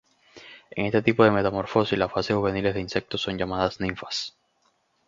En este tipo de metamorfosis las fases juveniles de insectos son llamadas ninfas.